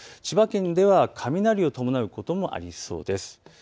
千葉県では雷を伴うこともありそうです。